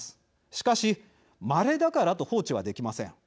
しかしまれだからと放置はできません。